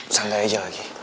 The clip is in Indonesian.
santai aja lagi